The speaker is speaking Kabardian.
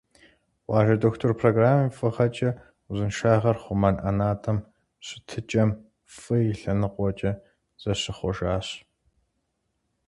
«Къуажэ дохутыр» программэм и фӀыгъэкӀэ, узыншагъэр хъумэн ӀэнатӀэм щытыкӀэм фӀы и лъэныкъуэкӀэ зыщихъуэжащ.